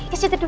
ke situ dulu